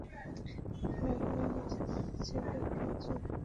নাহলে নিজের বাড়ি ছেড়ে কেউ যেতে চায়?